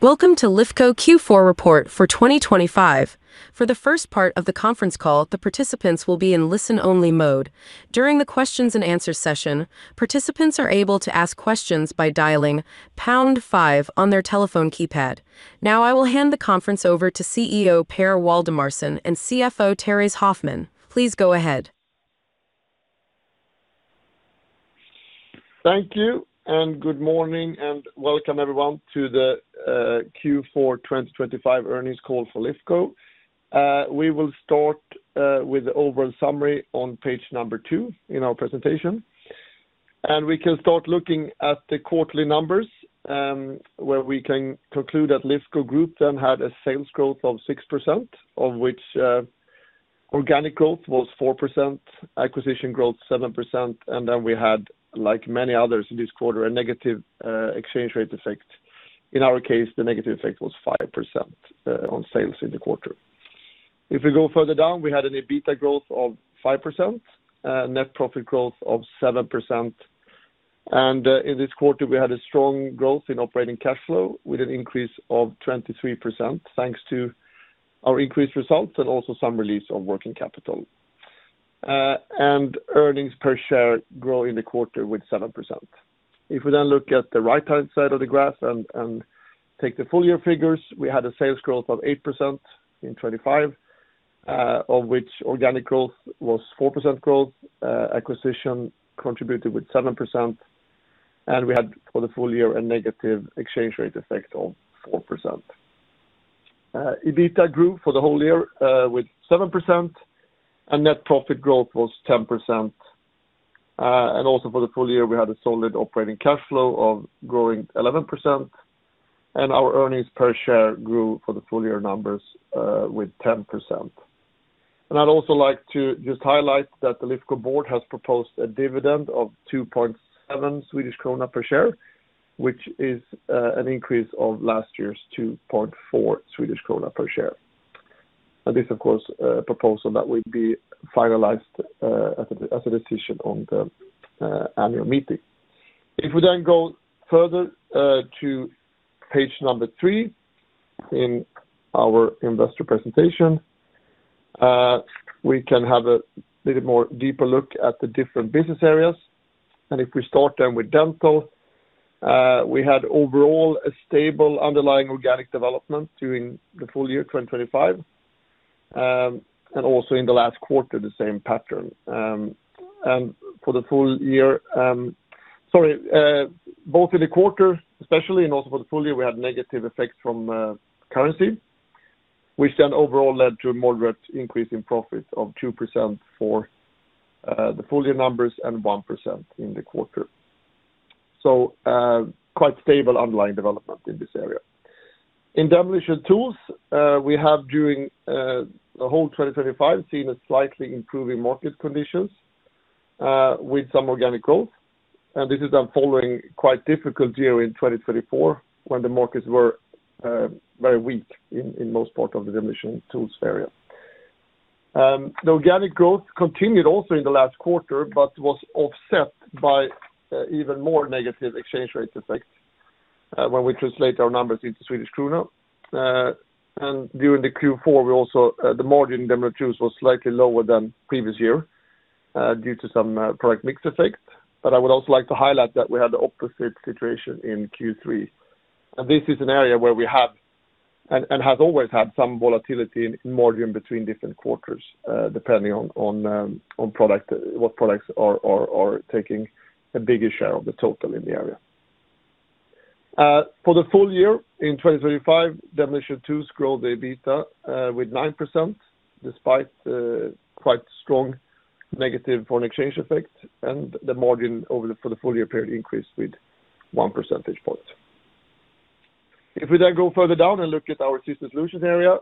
Welcome to Lifco Q4 report for 2025. For the first part of the conference call, the participants will be in listen-only mode. During the questions and answer session, participants are able to ask questions by dialing pound five on their telephone keypad. Now, I will hand the conference over to CEO Per Waldemarson and CFO Therése Hoffman. Please go ahead. Thank you, and good morning, and welcome everyone to the Q4 2025 earnings call for Lifco. We will start with the overall summary on page number two in our presentation. We can start looking at the quarterly numbers, where we can conclude that Lifco Group then had a sales growth of 6%, of which organic growth was 4%, acquisition growth 7%, and then we had, like many others in this quarter, a negative exchange rate effect. In our case, the negative effect was 5% on sales in the quarter. If we go further down, we had an EBITDA growth of 5%, net profit growth of 7%. In this quarter, we had a strong growth in operating cash flow with an increase of 23%, thanks to our increased results and also some release on working capital. Earnings per share grow in the quarter with 7%. If we then look at the right-hand side of the graph and take the full year figures, we had a sales growth of 8% in 2025, of which organic growth was 4% growth, acquisition contributed with 7%, and we had, for the full year, a negative exchange rate effect of 4%. EBITDA grew for the whole year with 7%, and net profit growth was 10%. And also for the full year, we had a solid operating cash flow of growing 11%, and our earnings per share grew for the full year numbers with 10%. And I'd also like to just highlight that the Lifco board has proposed a dividend of 2.7 Swedish krona per share, which is an increase of last year's 2.4 Swedish krona per share. And this, of course, a proposal that will be finalized as a decision on the annual meeting. If we then go further to page number three in our investor presentation, we can have a little more deeper look at the different business areas. If we start then with Dental, we had overall a stable underlying organic development during the full year 2025, and also in the last quarter, the same pattern. Both in the quarter, especially, and also for the full year, we had negative effects from currency, which then overall led to a moderate increase in profits of 2% for the full year numbers and 1% in the quarter. So, quite stable underlying development in this area. In Demolition Tools, we have during the whole 2025, seen a slightly improving market conditions with some organic growth. And this is then following quite difficult year in 2024, when the markets were very weak in most part of the Demolition Tools area. The organic growth continued also in the last quarter, but was offset by even more negative exchange rate effects when we translate our numbers into Swedish krona. During the Q4, the margin in Demolition Tools was slightly lower than previous year due to some product mix effect. But I would also like to highlight that we had the opposite situation in Q3. And this is an area where we have and have always had some volatility in margin between different quarters depending on product, what products are taking a bigger share of the total in the area. For the full year in 2025, Demolition Tools grow the EBITDA with 9%, despite quite strong negative foreign exchange effects, and the margin over the for the full year period increased with one percentage point. If we then go further down and look at our Systems Solutions area,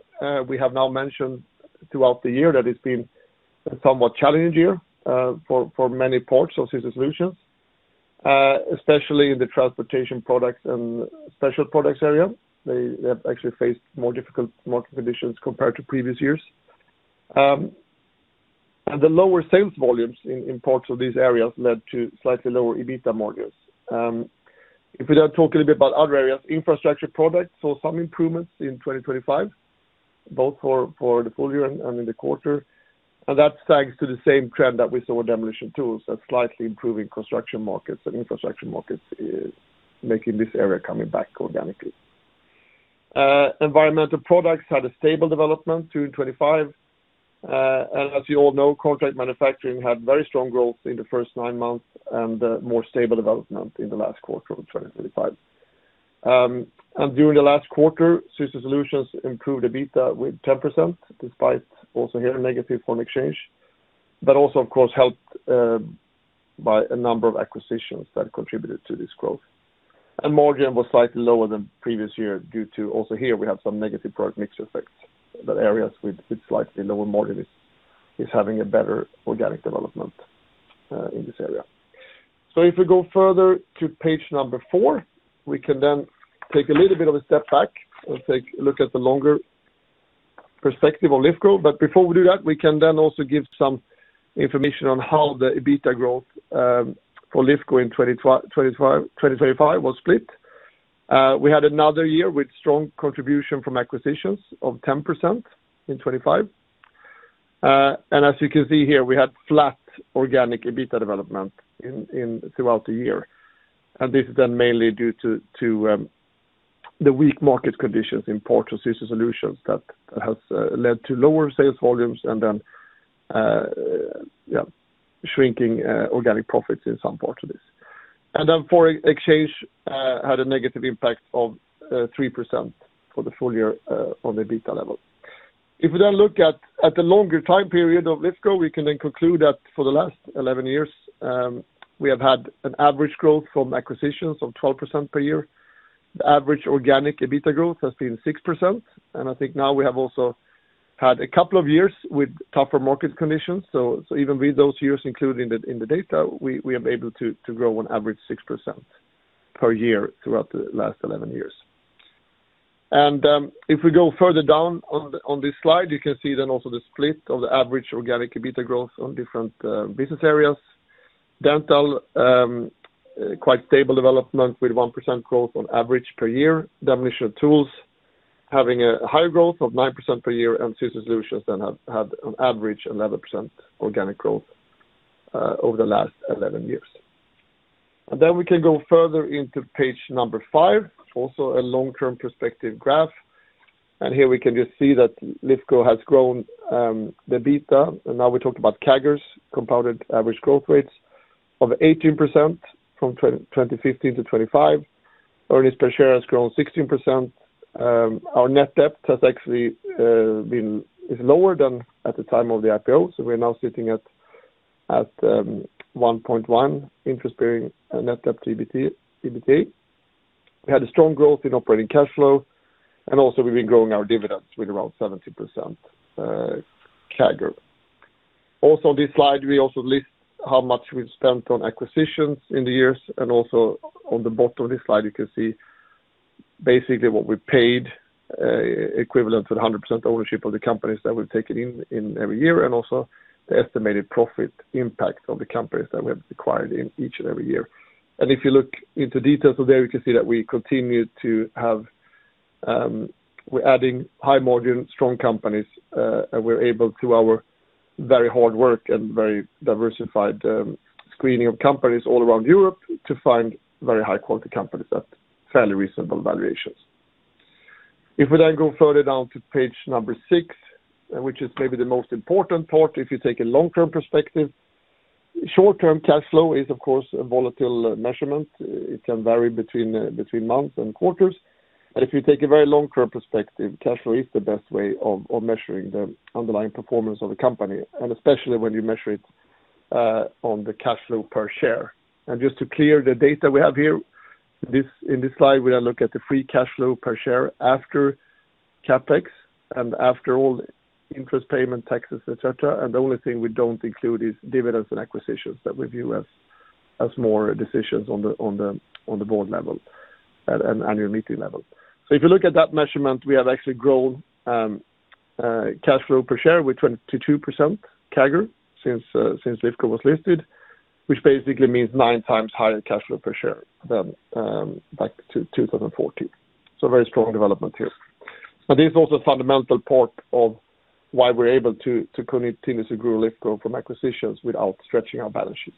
we have now mentioned throughout the year that it's been a somewhat challenging year for many parts of Systems Solutions, especially in the Transportation Products and Special Products area. They have actually faced more difficult market conditions compared to previous years. And the lower sales volumes in parts of these areas led to slightly lower EBITDA margins. If we now talk a little bit about other areas, Infrastructure Products saw some improvements in 2025, both for the full year and in the quarter. And that thanks to the same trend that we saw with Demolition Tools, a slightly improving construction markets and infrastructure markets is making this area coming back organically. Environmental products had a stable development through in 2025. And as you all know, Contract Manufacturing had very strong growth in the first nine months and more stable development in the last quarter of 2025. And during the last quarter, Systems Solutions improved EBITDA with 10%, despite also here a negative foreign exchange, but also, of course, helped by a number of acquisitions that contributed to this growth. And margin was slightly lower than previous year due to also here, we have some negative product mixture effects, but areas with slightly lower margin is having a better organic development in this area. So if we go further to page number four, we can then take a little bit of a step back and take a look at the longer perspective on Lifco. But before we do that, we can then also give some information on how the EBITDA growth for Lifco in 2025 was split. We had another year with strong contribution from acquisitions of 10% in 2025. And as you can see here, we had flat organic EBITDA development throughout the year. And this is then mainly due to the weak market conditions in Systems Solutions that has led to lower sales volumes and then shrinking organic profits in some parts of this. And then foreign exchange had a negative impact of 3% for the full year on the EBITDA level. If we then look at the longer time period of Lifco, we can then conclude that for the last 11 years, we have had an average growth from acquisitions of 12% per year. The average organic EBITDA growth has been 6%, and I think now we have also had a couple of years with tougher market conditions. So even with those years, including them in the data, we have been able to grow on average 6% per year throughout the last 11 years. And if we go further down on this slide, you can see then also the split of the average organic EBITDA growth on different business areas. Dental, quite stable development, with 1% growth on average per year. Demolition Tools, having a high growth of 9% per year, and Systems Solutions then had on average, 11% organic growth, over the last 11 years. Then we can go further into page number five, also a long-term perspective graph. And here we can just see that Lifco has grown, the EBITDA, and now we talked about CAGRs, compounded average growth rates of 18% from 2015 to 2025. Earnings per share has grown 16%. Our net debt has actually been is lower than at the time of the IPO, so we're now sitting at, at, 1.1x interest-bearing net debt EBITDA. We had a strong growth in operating cash flow, and also we've been growing our dividends with around 70%, CAGR. Also, on this slide, we also list how much we've spent on acquisitions in the years, and also on the bottom of this slide, you can see basically what we paid, equivalent to the 100% ownership of the companies that we've taken in, in every year, and also the estimated profit impact of the companies that we have acquired in each and every year. And if you look into details of there, you can see that we continue to have, we're adding high-margin, strong companies, and we're able, through our very hard work and very diversified, screening of companies all around Europe, to find very high-quality companies at fairly reasonable valuations. If we then go further down to page number six, which is maybe the most important part, if you take a long-term perspective. Short-term cash flow is, of course, a volatile measurement. It can vary between months and quarters. But if you take a very long-term perspective, cash flow is the best way of measuring the underlying performance of the company, and especially when you measure it on the cash flow per share. And just to clarify the data we have here, in this slide, we are looking at the free cash flow per share after CapEx and after all interest payments, taxes, etc. And the only thing we don't include is dividends and acquisitions that we view as more decisions on the board level at an annual meeting level. So if you look at that measurement, we have actually grown cash flow per share with 22% CAGR since Lifco was listed, which basically means nine times higher cash flow per share than back to 2014. So very strong development here. But this is also a fundamental part of why we're able to continue to grow Lifco from acquisitions without stretching our balance sheets.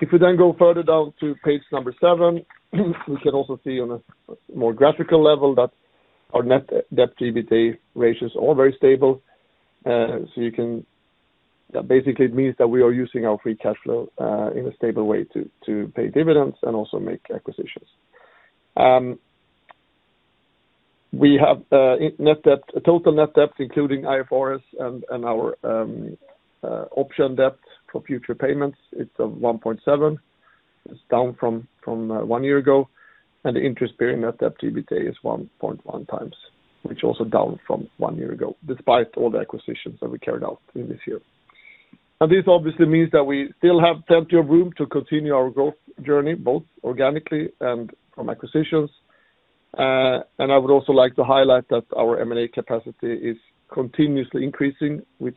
If we then go further down to page number seven, we can also see on a more graphical level that our net debt EBITDA ratios are very stable. That basically means that we are using our free cash flow in a stable way to pay dividends and also make acquisitions. We have net debt, total net debt, including IFRS and our option debt for future payments. It's 1.7x. It's down from one year ago, and the interest-bearing net debt EBITDA is 1.1x, which also down from one year ago, despite all the acquisitions that we carried out in this year. And this obviously means that we still have plenty of room to continue our growth journey, both organically and from acquisitions. And I would also like to highlight that our M&A capacity is continuously increasing. We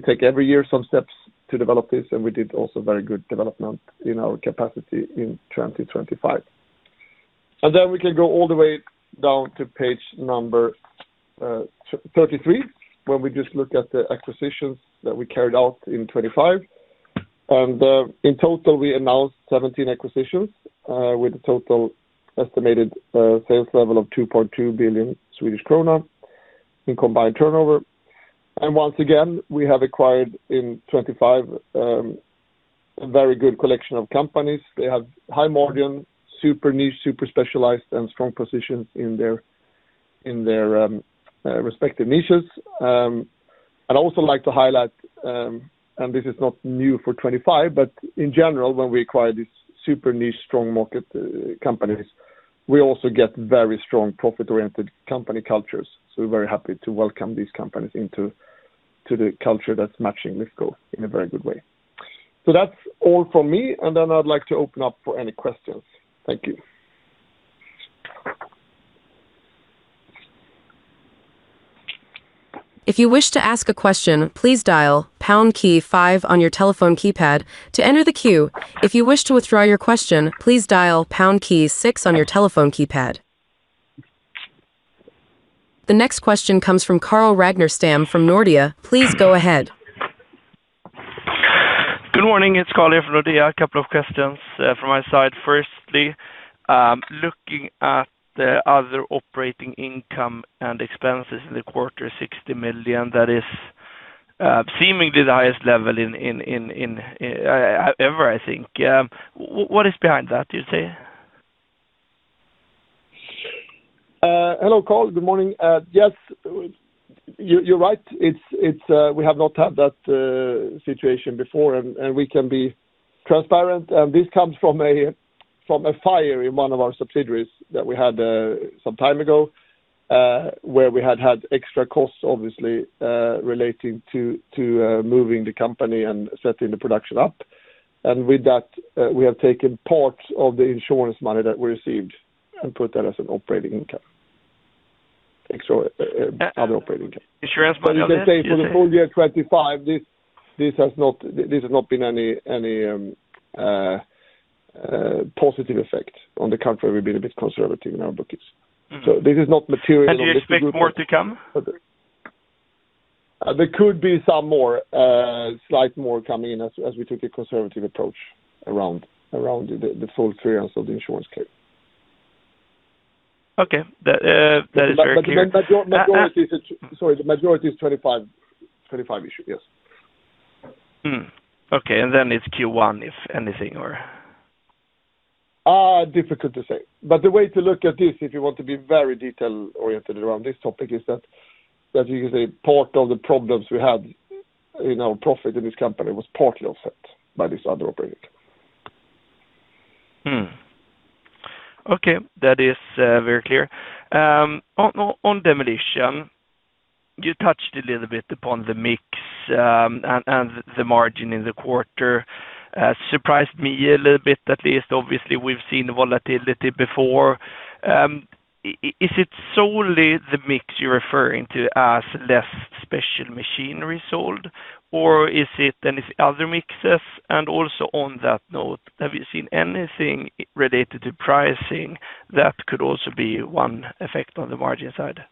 take every year some steps to develop this, and we did also very good development in our capacity in 2025. Then we can go all the way down to page number 33, where we just look at the acquisitions that we carried out in 2025. In total, we announced 17 acquisitions with a total estimated sales level of 2.2 billion Swedish krona in combined turnover. Once again, we have acquired in 2025 a very good collection of companies. They have high margin, super niche, super specialized, and strong positions in their respective niches. I'd also like to highlight, and this is not new for 2025, but in general, when we acquire these super niche, strong market companies, we also get very strong profit-oriented company cultures. So we're very happy to welcome these companies into the culture that's matching Lifco in a very good way. That's all from me, and then I'd like to open up for any questions. Thank you. If you wish to ask a question, please dial pound key five on your telephone keypad to enter the queue. If you wish to withdraw your question, please dial pound key six on your telephone keypad. The next question comes from Carl Ragnerstam from Nordea. Please go ahead. Good morning, it's Carl from Nordea. A couple of questions from my side. Firstly, looking at the other operating income and expenses in the quarter, 60 million, that is, seemingly the highest level ever, I think. What is behind that, do you say? Hello, Carl. Good morning. Yes, you're right. It's we have not had that situation before, and we can be transparent. This comes from a fire in one of our subsidiaries that we had some time ago, where we had extra costs, obviously, relating to moving the company and setting the production up. And with that, we have taken part of the insurance money that we received and put that as an operating income, extra other operating income. Insurance money, you say? For the full year 2025, this has not been any positive effect. On the contrary, we've been a bit conservative in our base case. This is not material. You expect more to come? There could be some more, slight more coming in as we take a conservative approach around the full clearance of the insurance case. Okay. That, that is very clear. But the majority is, sorry, the majority is 2025 issue. Yes. Okay, and then it's Q1, if anything, or? Difficult to say. But the way to look at this, if you want to be very detail-oriented around this topic, is that you can say part of the problems we had in our profit in this company was partly offset by this other operating. Okay, that is very clear. On Demolition, you touched a little bit upon the mix and the margin in the quarter. Surprised me a little bit, at least. Obviously, we've seen volatility before. Is it solely the mix you're referring to as less special machinery sold, or is it any other mixes? And also on that note, have you seen anything related to pricing that could also be one effect on the margin side?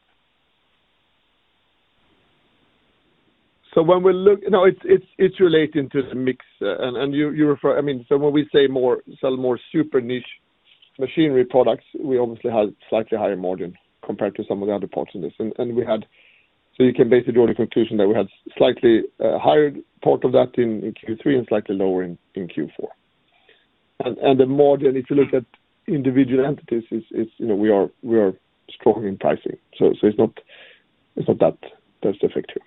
It's relating to the mix. I mean, so when we say more, sell more super niche machinery products, we obviously have slightly higher margin compared to some of the other parts in this. So you can basically draw the conclusion that we had slightly higher part of that in Q3 and slightly lower in Q4. The margin, if you look at individual entities, is, you know, we are strong in pricing, so it's not that, that's the effect here.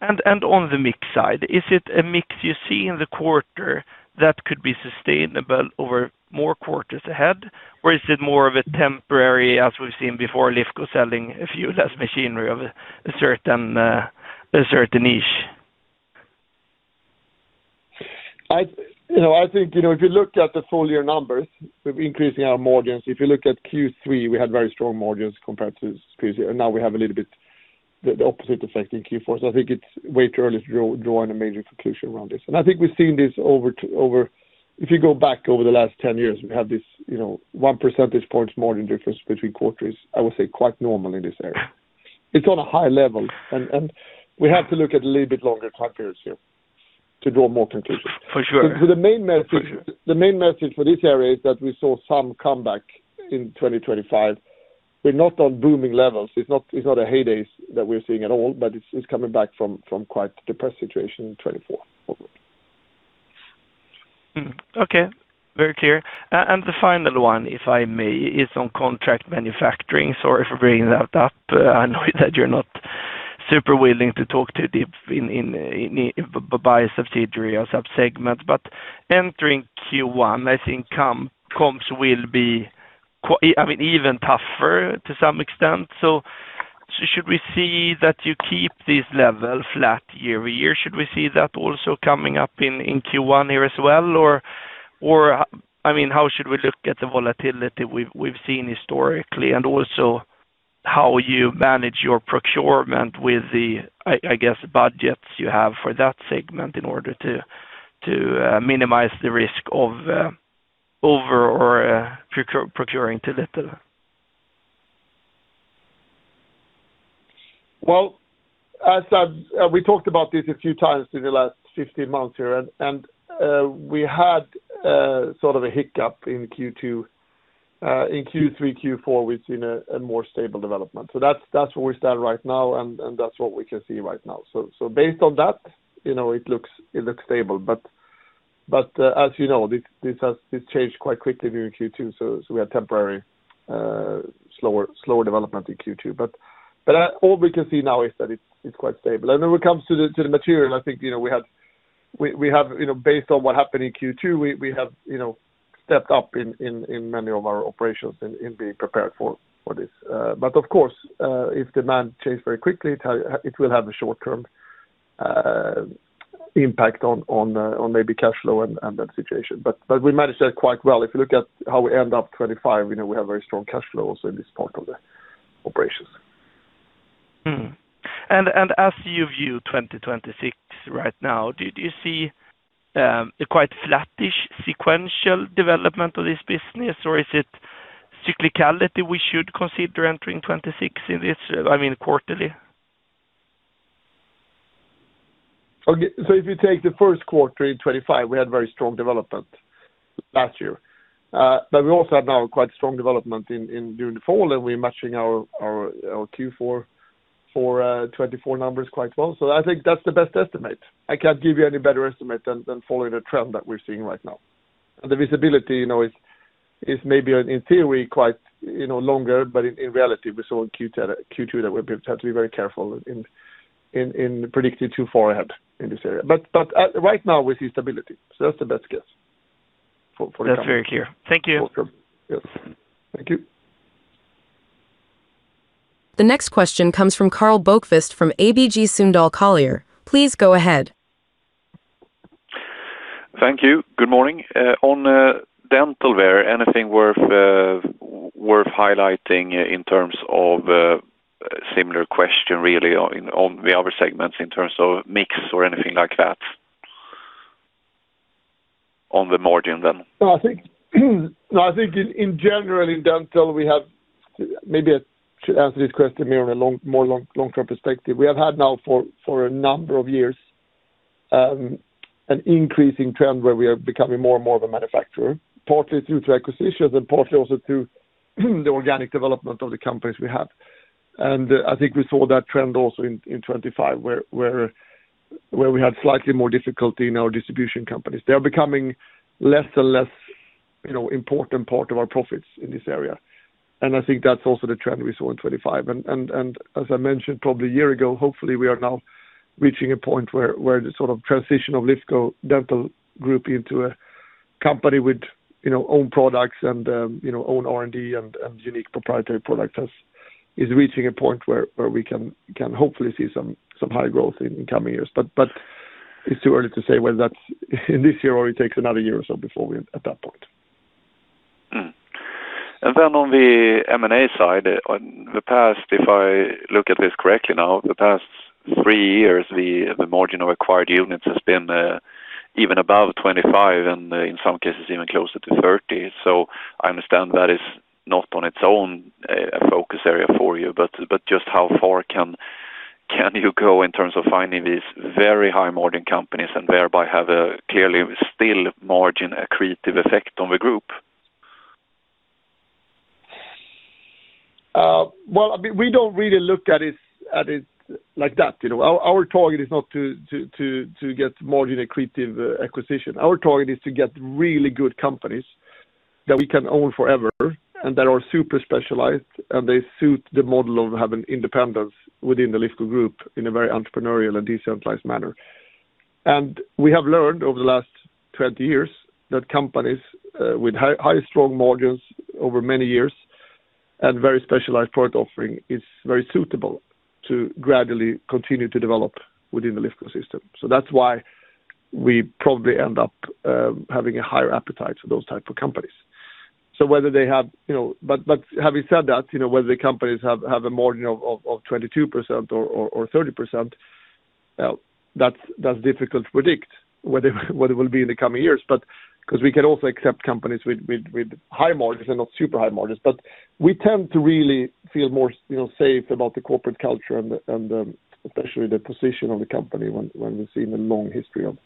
And on the mix side, is it a mix you see in the quarter that could be sustainable over more quarters ahead? Or is it more of a temporary, as we've seen before, Lifco selling a few less machinery of a certain niche? You know, I think, you know, if you look at the full year numbers, we've increasing our margins. If you look at Q3, we had very strong margins compared to Q2, and now we have a little bit the opposite effect in Q4. So I think it's way too early to draw any major conclusion around this. I think we've seen this. If you go back over the last 10 years, we have this, you know, one percentage points margin difference between quarters, I would say quite normal in this area. It's on a high level, and we have to look at a little bit longer time periods here to draw more conclusions. For sure. But the main message, the main message for this area is that we saw some comeback in 2025. We're not on booming levels. It's not, it's not a heyday that we're seeing at all, but it's, it's coming back from, from quite depressed situation in 2024 onwards. Okay. Very clear. And the final one, if I may, is on Contract Manufacturing. Sorry for bringing that up. I know that you're not super willing to talk too deep in by subsidiary or sub-segment, but entering Q1, I think comps will be even tougher to some extent. So should we see that you keep this level flat year-over-year? Should we see that also coming up in Q1 here as well? Or, I mean, how should we look at the volatility we've seen historically, and also how you manage your procurement with the, I guess, budgets you have for that segment in order to minimize the risk of over or procuring too little? Well, as we talked about this a few times in the last 15 months here, and we had sort of a hiccup in Q2. In Q3, Q4, we've seen a more stable development. So that's where we stand right now, and that's what we can see right now. So based on that, you know, it looks stable, but as you know, this has changed quite quickly during Q2, so we had temporary slower development in Q2. But all we can see now is that it's quite stable. And when it comes to the material, I think, you know, we have, you know, based on what happened in Q2, we have, you know, stepped up in many of our operations in being prepared for this. But of course, if demand changes very quickly, it will have a short-term impact on maybe cash flow and that situation. But we managed that quite well. If you look at how we end up 2025, you know, we have very strong cash flows in this part of the operations. And as you view 2026 right now, do you see a quite flattish sequential development of this business, or is it cyclicality we should consider entering 2026 in this, I mean, quarterly? Okay, so if you take the first quarter in 2025, we had very strong development last year. But we also have now quite strong development during the fall, and we're matching our Q4 for 2024 numbers quite well. So I think that's the best estimate. I can't give you any better estimate than following the trend that we're seeing right now. The visibility, you know, is maybe in theory quite, you know, longer, but in reality, we saw in Q2 that we have to be very careful in predicting too far ahead in this area. But right now, we see stability. So that's the best guess for the coming. That's very clear. Thank you. Quarter. Welcome. Yes. Thank you. The next question comes from Karl Bokvist from ABG Sundal Collier. Please go ahead. Thank you. Good morning. On dental wear, anything worth highlighting in terms of similar question, really, on the other segments, in terms of mix or anything like that? On the margin then. No, I think, no, I think in general, in Dental, we have maybe I should answer this question more on a long-term perspective. We have had now for a number of years an increasing trend where we are becoming more and more of a manufacturer, partly due to acquisitions and partly also through the organic development of the companies we have. And I think we saw that trend also in 2025, where we had slightly more difficulty in our distribution companies. They are becoming less and less, you know, important part of our profits in this area. And I think that's also the trend we saw in 2025. And as I mentioned, probably a year ago, hopefully, we are now reaching a point where the sort of transition of Lifco Dental Group into a company with, you know, own products and, you know, own R&D and unique proprietary products is reaching a point where we can hopefully see some high growth in coming years. But it's too early to say whether that's in this year or it takes another year or so before we're at that point. Mm. And then on the M&A side, on the past, if I look at this correctly now, the past three years, the margin of acquired units has been, even above 25%, and in some cases, even closer to 30%. So I understand that is not on its own, a focus area for you, but just how far can you go in terms of finding these very high-margin companies, and thereby have a clearly still margin, accretive effect on the group? Well, I mean, we don't really look at it like that. You know, our target is not to get margin accretive acquisition. Our target is to get really good companies that we can own forever, and that are super specialized, and they suit the model of having independence within the Lifco Group in a very entrepreneurial and decentralized manner. And we have learned over the last 20 years that companies with high strong margins over many years and very specialized product offering is very suitable to gradually continue to develop within the Lifco system. So that's why we probably end up having a higher appetite for those type of companies. So whether they have, you know, but having said that, you know, whether the companies have a margin of 22% or 30%, that's difficult to predict, what it will be in the coming years. Because we can also accept companies with high margins and not super high margins. But we tend to really feel more safe, you know, about the corporate culture and especially the position of the company when we've seen a long history of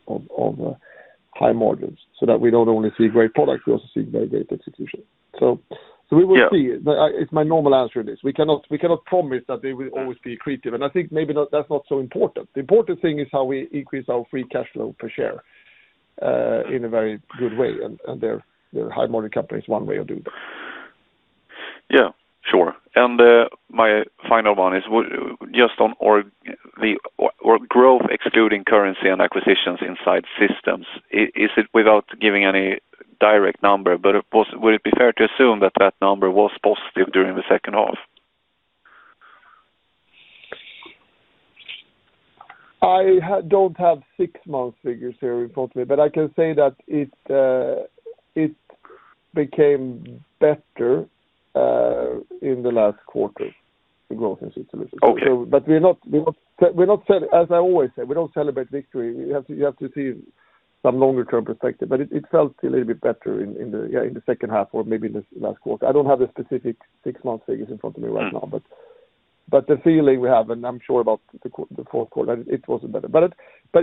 high margins, so that we don't only see great product, we also see very great execution. So we will see. But it's my normal answer to this. We cannot, we cannot promise that they will always be accretive, and I think maybe that, that's not so important. The important thing is how we increase our free cash flow per share in a very good way, and their high-margin company is one way of doing that. Yeah, sure. And my final one is just on organic growth excluding currency and acquisitions inside systems. Is it without giving any direct number, but would it be fair to assume that that number was positive during the second half? I don't have six months figures here in front of me, but I can say that it, it became better, in the last quarter, the growth in systems. But we're not celebrating, as I always say. We don't celebrate victory. You have to see some longer-term perspective, but it felt a little bit better in the second half or maybe in the last quarter. I don't have the specific six months figures in front of me right now. But the feeling we have, and I'm sure about the fourth quarter, it was better. But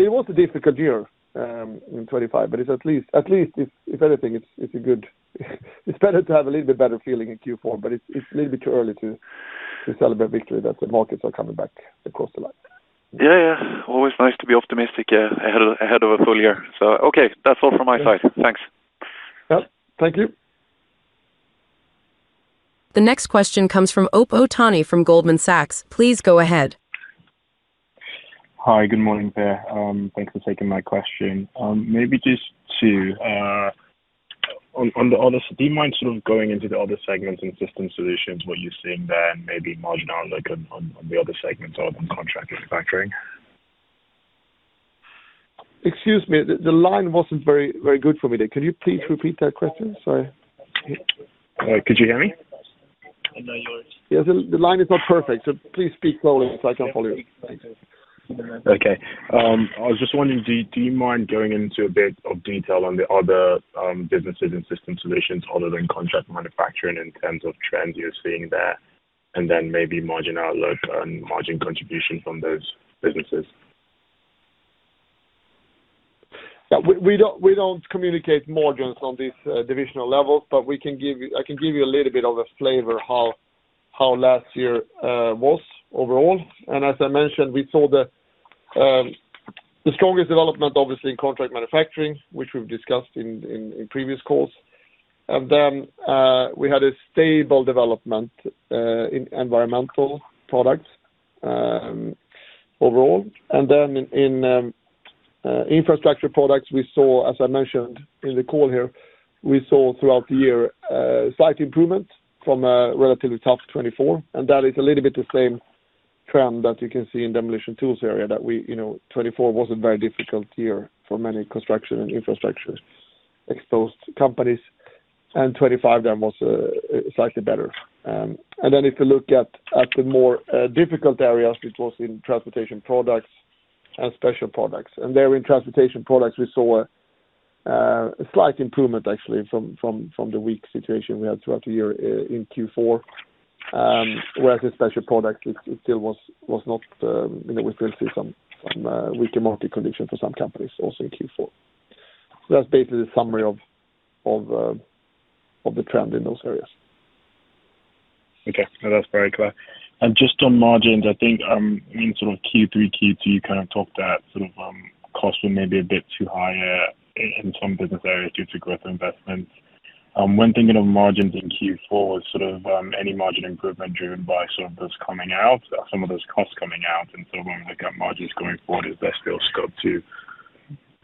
it was a difficult year in 2025, but it's at least, if anything, it's good, it's better to have a little bit better feeling in Q4, but it's a little bit too early to celebrate victory, that the markets are coming back across the line. Yeah, yeah. Always nice to be optimistic ahead of a full year. Okay, that's all from my side. Thanks. Yeah. Thank you. The next question comes from [Ope Otani] from Goldman Sachs. Please go ahead. Hi, good morning, Per. Thanks for taking my question. Do you mind sort of going into the other segments and Systems Solutions, what you're seeing there, and maybe marginal look on the other segments other than Contract Manufacturing? Excuse me. The line wasn't very, very good for me there. Can you please repeat that question? Sorry. Could you hear me? Yes, the line is not perfect, so please speak slowly so I can follow you. Thanks. Okay. I was just wondering, do you mind going into a bit of detail on the other businesses and System Solutions other than Contract Manufacturing in terms of trends you're seeing there, and then maybe margin outlook and margin contribution from those businesses? Yeah. We don't communicate margins on these divisional levels, but we can give you. I can give you a little bit of a flavor how last year was overall. And as I mentioned, we saw the strongest development obviously in Contract Manufacturing, which we've discussed in previous calls. And then we had a stable development in environmental products overall. And then in Infrastructure Products, we saw, as I mentioned in the call here, we saw throughout the year slight improvement from a relatively tough 2024, and that is a little bit the same trend that you can see in Demolition Tools area that we, you know, 2024 was a very difficult year for many construction and infrastructure exposed companies, and 2025 then was slightly better. And then if you look at the more difficult areas, which was in Transportation Products and Special Products. And there in Transportation Products, we saw a slight improvement actually from the weak situation we had throughout the year in Q4. Whereas the Special Products, it still was not, you know, we still see some weaker market conditions for some companies also in Q4. So that's basically the summary of the trend in those areas. Okay. No, that's very clear. And just on margins, I think, in sort of Q3, Q2, you kind of talked that sort of, costs were maybe a bit too high, in some business areas due to growth investments. When thinking of margins in Q4, sort of, any margin improvement driven by some of those coming out, some of those costs coming out, and so when we look at margins going forward, is there still scope to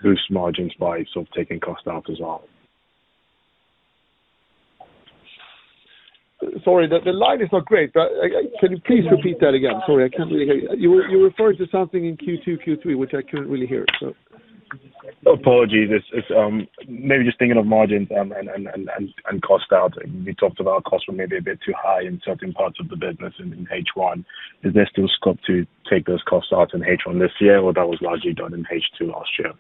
boost margins by sort of taking costs out as well? Sorry, the line is not great. Can you please repeat that again? Sorry, I can't really hear you. You were, you referred to something in Q2, Q3, which I couldn't really hear, so. Apologies. It's maybe just thinking of margins and cost out. We talked about costs were maybe a bit too high in certain parts of the business in H1. Is there still scope to take those costs out in H1 this year, or that was largely done in H2 last year?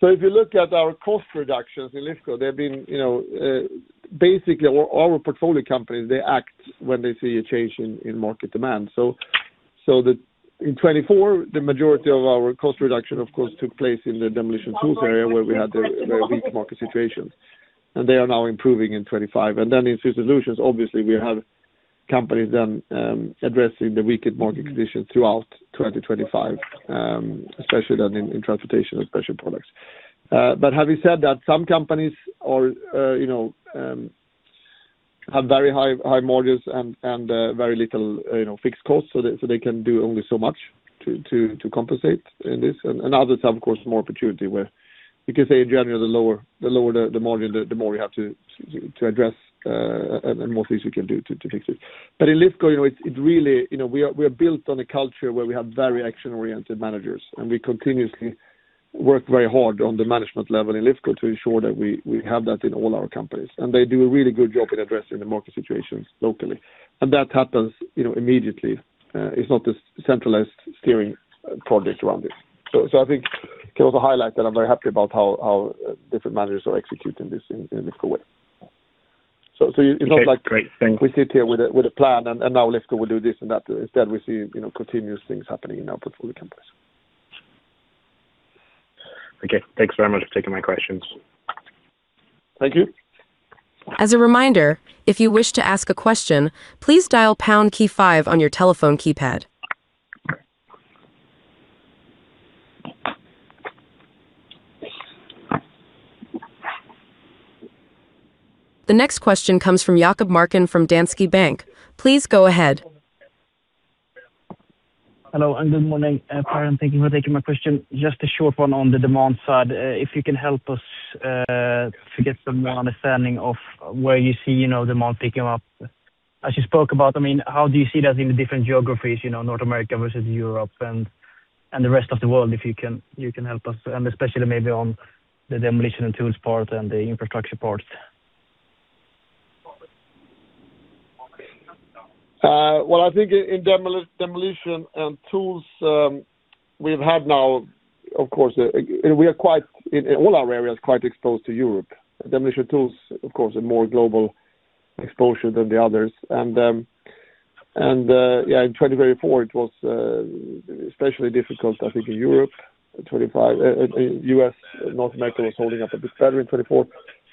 So if you look at our cost reductions in Lifco, they've been, you know, basically all our portfolio companies, they act when they see a change in market demand. In 2024, the majority of our cost reduction, of course, took place in the Demolition Tools area, where we had the weak market situations, and they are now improving in 2025. And then in solutions, obviously, we have companies then addressing the weakened market conditions throughout 2025, especially then in Transportation and Special Products. But having said that, some companies are, you know, have very high margins and very little fixed costs, so they can do only so much to compensate in this. And others have, of course, more opportunity where you can say, in general, the lower the margin, the more you have to address, and more things we can do to fix it. But in Lifco, you know, it really, you know, we are built on a culture where we have very action-oriented managers, and we continuously work very hard on the management level in Lifco to ensure that we have that in all our companies. And they do a really good job in addressing the market situations locally. And that happens, you know, immediately. It's not a centralized steering project around this. So I think can also highlight that I'm very happy about how different managers are executing this in Lifco way. So it's not like. Okay, great. Thanks. We sit here with a plan, and now Lifco will do this and that. Instead, we see, you know, continuous things happening in our portfolio companies. Okay. Thanks very much for taking my questions. Thank you. As a reminder, if you wish to ask a question, please dial pound key five on your telephone keypad. The next question comes from Jakob Markin from Danske Bank. Please go ahead. Hello, and good morning, Per, and thank you for taking my question. Just a short one on the demand side. If you can help us to get some more understanding of where you see, you know, demand picking up. As you spoke about, I mean, how do you see that in the different geographies, you know, North America versus Europe and the rest of the world, if you can help us, and especially maybe on the Demolition & Tools part and the Infrastructure part? Well, I think in Demolition & Tools, we've had now, of course. And we are quite, in all our areas, quite exposed to Europe. Demolition Tools, of course, are more global exposure than the others. And, yeah, in 2024, it was especially difficult, I think, in Europe. 2025, U.S., North America was holding up a bit better in 2024.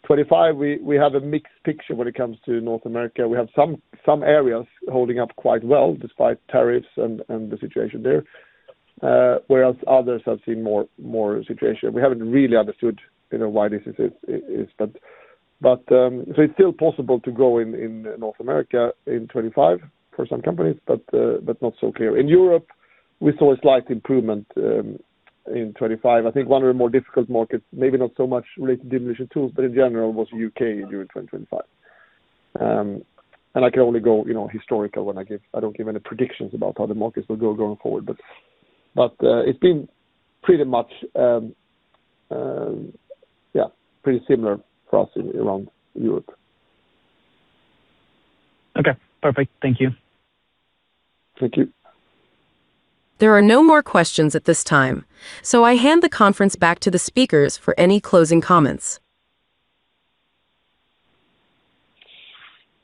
2025, we have a mixed picture when it comes to North America. We have some areas holding up quite well, despite tariffs and the situation there, whereas others have seen more situation. We haven't really understood, you know, why this is, but so it's still possible to grow in North America in 2025 for some companies, but not so clear. In Europe, we saw a slight improvement in 2025. I think one of the more difficult markets, maybe not so much related to Demolition Tools, but in general, was U.K. during 2025. And I can only go, you know, historical when I give. I don't give any predictions about how the markets will go going forward. But, but, it's been pretty much, yeah, pretty similar for us around Europe. Okay, perfect. Thank you. Thank you. There are no more questions at this time, so I hand the conference back to the speakers for any closing comments.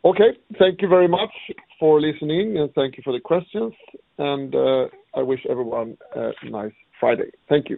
Okay. Thank you very much for listening, and thank you for the questions, and I wish everyone a nice Friday. Thank you.